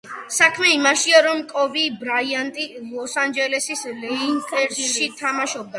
საქმე იმაშია, რომ კობი ბრაიანტი „ლოს-ანჯელესის ლეიკერსში“ თამაშობდა.